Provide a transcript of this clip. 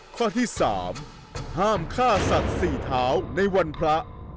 ข้อที่๓ห้ามฆ่าสัตว์๔เท้าในวันพระ